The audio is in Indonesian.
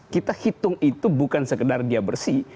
kita hitung itu bukan sekedar dia bersih